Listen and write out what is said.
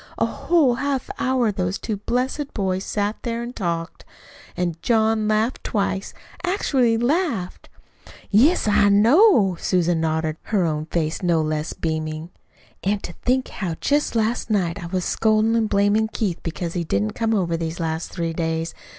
A whole half hour those two blessed boys sat there an' talked; an' John laughed twice, actually laughed." "Yes, I know," nodded Susan, her own face no less beaming. "An' to think how just last night I was scoldin' an' blamin' Keith because he didn't come over these last three days.